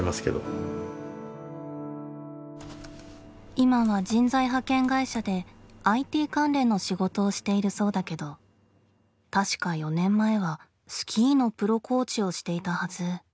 今は人材派遣会社でＩＴ関連の仕事をしているそうだけど確か４年前はスキーのプロコーチをしていたはず。